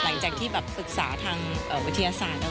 หลังจากที่แบบศึกษาทางวิทยาศาสตร์